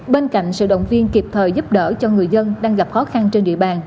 bên cạnh sự động viên kịp thời giúp đỡ cho người dân đang gặp khó khăn trên địa bàn